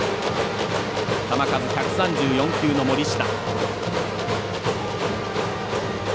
球数１３４球の森下。